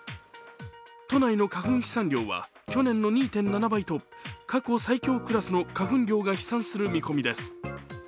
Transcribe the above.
都内の花粉飛散量は去年の２．７倍と過去最強クラスの花粉量が飛散する見込みです。